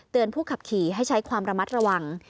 ผู้ขับขี่ให้ใช้ความระมัดระวัง